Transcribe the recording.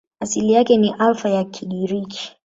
Asili yake ni Alfa ya Kigiriki.